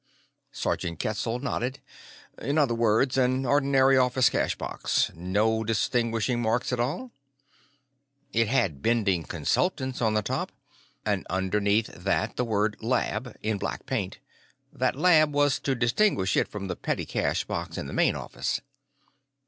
Sergeant Ketzel nodded. "In other words, an ordinary office cash box. No distinguishing marks at all?" "It had 'Bending Consultants' on the top. And underneath that, the word 'Lab'. In black paint. That 'Lab' was to distinguish it from the petty cash box in the main office."